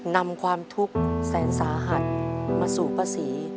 นำความทุกข์แสนสาหัสมาสู่ภาษี